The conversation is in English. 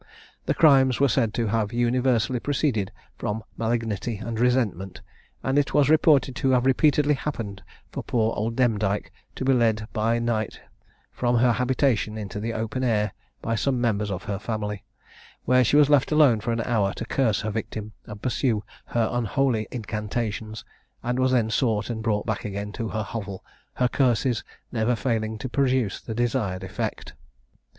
Their crimes were said to have universally proceeded from malignity and resentment; and it was reported to have repeatedly happened for poor old Demdike to be led by night from her habitation into the open air, by some member of her family, where she was left alone for an hour to curse her victim, and pursue her unholy incantations, and was then sought and brought back again to her hovel, her curses never failing to produce the desired effect.